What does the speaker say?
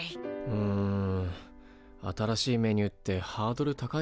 うん新しいメニューってハードル高いよな。